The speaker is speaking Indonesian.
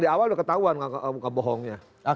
di awal udah ketahuan muka bohongnya